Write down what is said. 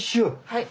はい。